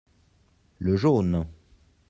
le jaune.